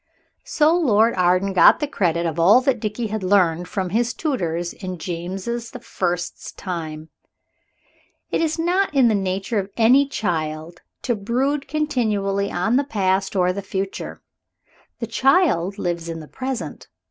So Lord Arden got the credit of all that Dickie had learned from his tutors in James the First's time. It is not in the nature of any child to brood continually on the past or the future. The child lives in the present.